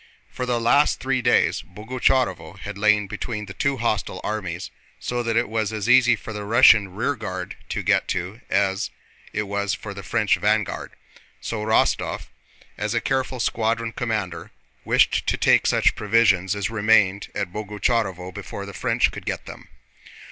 For the last three days Boguchárovo had lain between the two hostile armies, so that it was as easy for the Russian rearguard to get to it as for the French vanguard; Rostóv, as a careful squadron commander, wished to take such provisions as remained at Boguchárovo before the French could get them.